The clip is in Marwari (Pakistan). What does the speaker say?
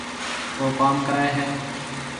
او ڪوم ڪري هيَ۔